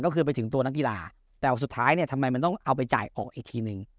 ก็คือไปถึงตัวนักกีฬาแต่ว่าสุดท้ายเนี่ยทำไมมันต้องเอาไปจ่ายออกอีกทีนึง